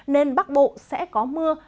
nên bắc bộ sẽ có mưa